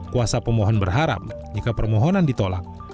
kuasa pemohon berharap jika permohonan ditolak